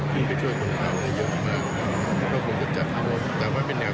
เดี๋ยวก็ต้องเฉินเฉินท่านนายกทางธุรกิจเช่นว่าจะต่ำสมใจให้ไว้